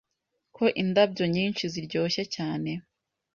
Ko indabyo nyinshi ziryoshye cyane